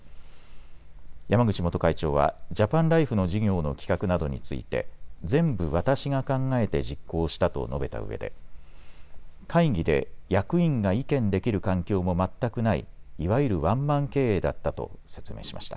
山口元会長はジャパンライフの事業の企画などについて全部私が考えて実行したと述べたうえで会議で役員が意見できる環境も全くない、いわゆるワンマン経営だったと説明しました。